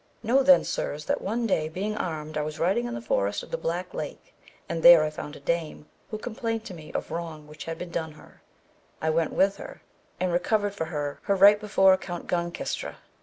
Know then sirs that one day being armed I was riding in the forest of the Black Lake, and there I found a dame who complained to me of wrong which had been done her, I went with her, and recovered for her her right before Count Guncestre.